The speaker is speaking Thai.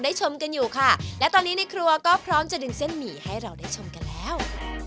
ชมกันอยู่ค่ะและตอนนี้ในครัวก็พร้อมจะดึงเส้นหมี่ให้เราได้ชมกันแล้ว